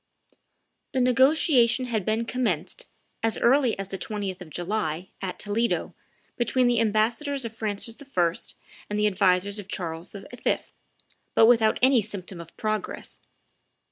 The negotiation had been commenced, as early as the 20th of July, at Toledo, between the ambassadors of Francis I. and the advisers of Charles V., but without any symptom of progress.